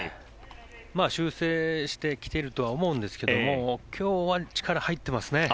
修正してきているとは思うんですけども今日は力が入ってますね。